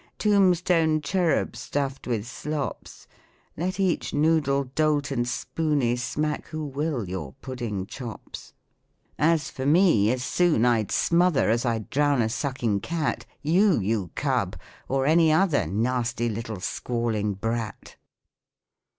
Tomb stone cherub, stuff'd with slops, Let each noodle, dolt, and spooney Smack, who will, your pudding chop*. 130 THE COMIC ENGLISH GRAMMAR. " As for me, as soon I'd smother. As I'd drown a sucking cat. You, you cub, or any other, Nasty little squalling brat."